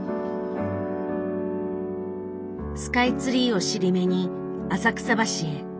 スカイツリーを尻目に浅草橋へ。